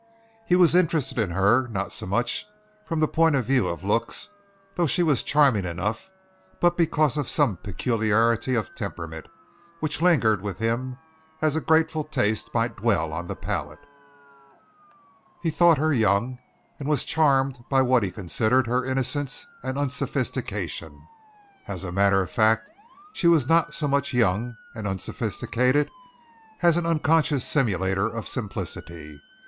He was interested in her not so much from the point of view of looks, though she was charming enough, but because of some peculiarity of temperament which lingered with him as a grateful taste might dwell on the palate. He thought her young; and was charmed by what he considered her innocence and unsophistication. As a matter of fact she was not so much young and unsophisticated as an unconscious simulator of simplicity.